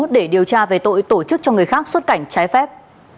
để điều tra về tội tổ chức cho người khác xuất cảnh trái phép